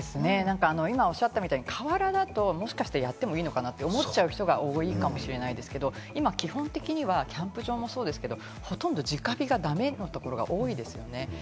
今おっしゃったみたいに今、河原だともしかしてやってもいいのかなって思っちゃうかもしれないですけれど、今、基本的にはキャンプ場もそうですけれど、ほとんど直火がダメなところが多いですよね。